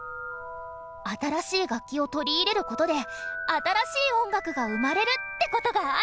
新しい楽器を取り入れることで新しい音楽が生まれるってことがあるんだね！